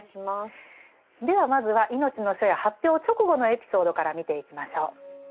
ではまずは「いのちの初夜」発表直後のエピソードから見ていきましょう。